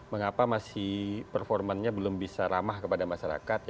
mengapa masih performanya belum bisa ramah kepada masyarakat